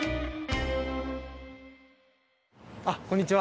あっこんにちは。